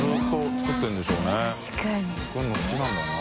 作るの好きなんだな。